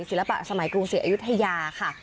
ศิลปะสมัยกรุงศรีอยุธยาค่ะ